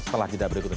setelah kita berikutnya